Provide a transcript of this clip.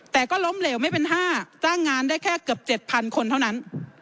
แต่ก็ล้มเหลวไม่เป็น๕จ้างงานได้แค่เกือบ๗๐๐คนเท่านั้น